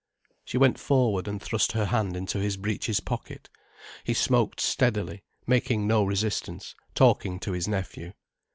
She went forward, and thrust her hand into his breeches pocket. He smoked steadily, making no resistance, talking to his nephew.